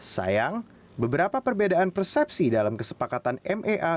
sayang beberapa perbedaan persepsi dalam kesepakatan mea